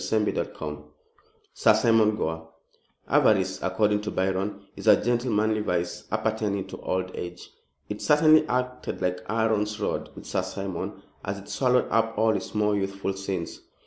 CHAPTER II SIR SIMON GORE Avarice, according to Byron, is a gentlemanly vice appertaining to old age. It certainly acted like Aaron's rod with Sir Simon, as it swallowed up all his more youthful sins.